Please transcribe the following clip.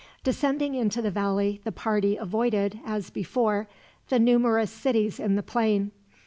Descending into the valley the party avoided, as before, the numerous cities in the plain.